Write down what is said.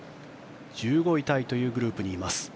１５位タイというグループにいます。